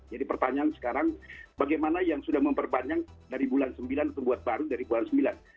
jadi pertanyaan sekarang bagaimana yang sudah memperpanjang dari bulan sembilan untuk membuat baru dari bulan sembilan